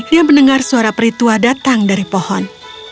ia mendengar suara peritua datang dari pohon